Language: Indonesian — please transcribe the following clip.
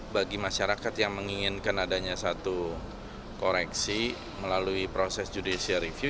bagi masyarakat yang menginginkan adanya satu koreksi melalui proses judicial review